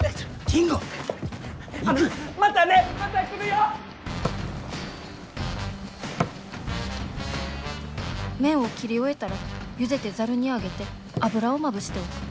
心の声麺を切り終えたらゆでてざるにあげて油をまぶしておく。